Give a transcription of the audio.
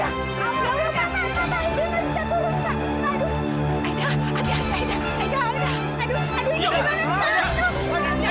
aduh ini gimana pak